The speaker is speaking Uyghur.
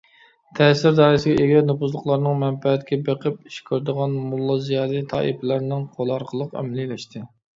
تەسىر دائىرىسىگە ئىگە نوپۇزلۇقلارنىڭ، مەنپەئەتكە بېقىپ ئىش كۆرىدىغان موللا - زىيالىي تائىپىلەرنىڭ قولى ئارقىلىق ئەمەلىيلەشتى.